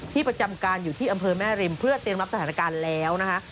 ประจำการอยู่ที่อำเภอแม่ริมเพื่อเตรียมรับสถานการณ์แล้วนะคะ